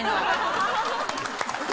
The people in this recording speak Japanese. ハハハハ！